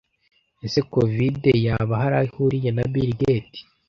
Ese COVID yaba hari aho ihuriye na BILL GATE